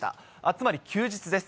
つまり休日です。